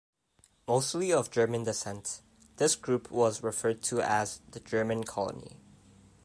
Mostly of German descent, this group was referred to as the "German colony".